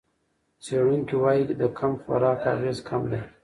څېړونکي وايي د کم خوراک اغېز کم دی.